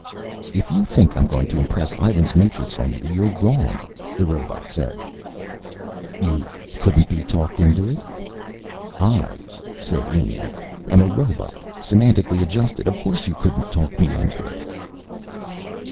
"If you think I'm going to impress Ivan's matrix on you, you're wrong," the robot said. "You couldn't be talked into it?" "I," said ENIAC, "am a robot, semantically adjusted. Of course you couldn't talk me into it."